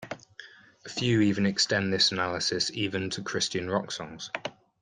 A few even extend this analysis even to Christian rock songs.